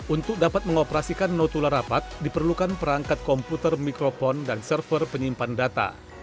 untuk dapat mengoperasikan notula rapat diperlukan perangkat komputer mikrofon dan server penyimpan data